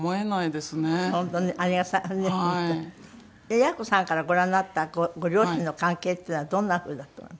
也哉子さんからご覧になったご両親の関係っていうのはどんな風だったの？